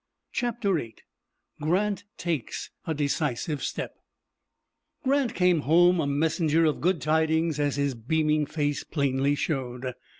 CHAPTER VIII GRANT TAKES A DECISIVE STEP Grant came home a messenger of good tidings, as his beaming face plainly showed.